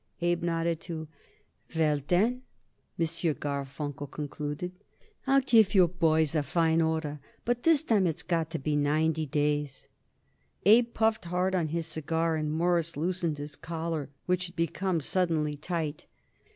Abe nodded, too. "Well, then," M. Garfunkel concluded, "I'll give you boys a fine order, but this time it's got to be ninety days." Abe puffed hard on his cigar, and Morris loosened his collar, which had become suddenly tight.